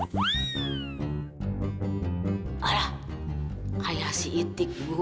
ah kayak si itik bu